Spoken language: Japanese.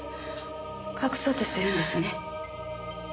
隠そうとしてるんですね。